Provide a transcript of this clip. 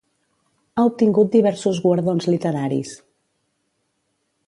Ha obtingut diversos guardons literaris.